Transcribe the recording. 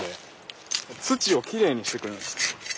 土をきれいにしてくれるんです。